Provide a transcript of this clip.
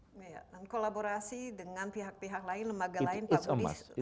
dan kolaborasi dengan pihak pihak lain lembaga lain